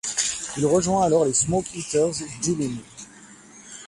Il rejoint alors les Smoke Eaters Geleen.